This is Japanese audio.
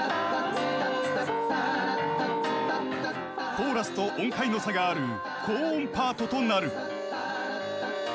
［コーラスと音階の差がある高音パートとなる］